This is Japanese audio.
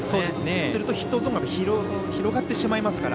するとヒットゾーンが広がってしまいますから。